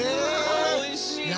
おいしいね。